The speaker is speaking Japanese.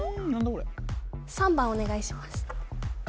これ３番お願いします